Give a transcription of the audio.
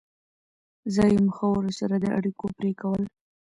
ځایي مخورو سره د اړیکو پرې کول.